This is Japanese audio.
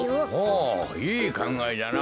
おいいかんがえじゃな。